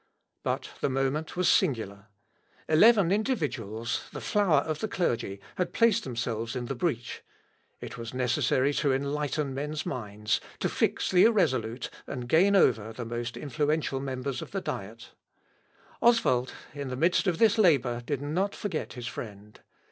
But the moment was singular. Eleven individuals, the flower of the clergy, had placed themselves in the breach: it was necessary to enlighten men's minds, to fix the irresolute, and gain over the most influential members of the Diet. Deus cœpta fortunet! (Ibid., p. 210.) Oswald, in the midst of this labour, did not forget his friend.